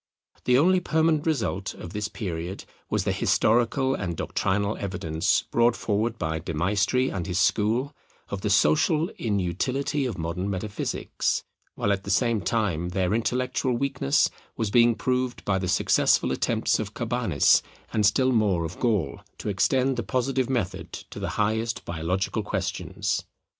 The only permanent result of this period was the historical and doctrinal evidence brought forward by De Maistre and his school, of the social inutility of modern metaphysics, while at the same time their intellectual weakness was being proved by the successful attempts of Cabanis, and still more of Gall, to extend the Positive method to the highest biological questions.